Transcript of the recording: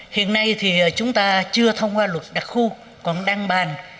hiện nay thì chúng ta chưa thông qua luật đặc khu còn đang bàn